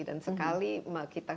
dan sekali kita diberikan peran